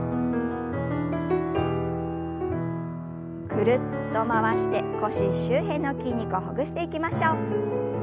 ぐるっと回して腰周辺の筋肉をほぐしていきましょう。